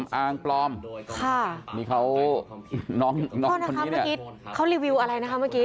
แล้วก็หน้าตาหล่อเหลาด้วย